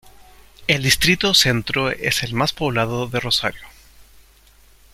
El Distrito Centro es el más poblado de Rosario.